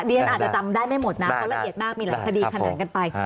เรียนอาจจะจำได้ไม่หมดนะเพราะละเอียดมากมีหลายคดีขนานกันไป